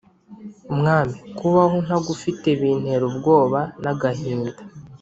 mwami kubaho ntagufite bintera ubwoba nagahinda